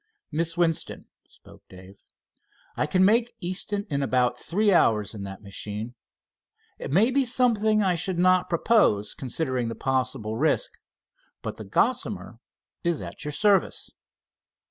"Miss Winston," spoke Dave, "I can make Easton in about three hours in that machine. It may be something I should not propose, considering the possible risk, but the Gossamer is at your service."